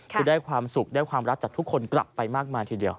คือได้ความสุขได้ความรักจากทุกคนกลับไปมากมายทีเดียว